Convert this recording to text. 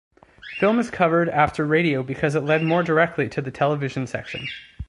Film is covered after radio because it led more directly to the television section.